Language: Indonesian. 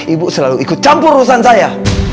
ibu selalu ikut campur urusan saya